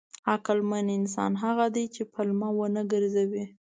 عقلمن انسان هغه دی چې پلمه ونه ګرځوي.